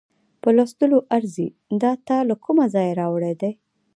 په لوستلو ارزي، دا تا له کومه ځایه راوړې دي؟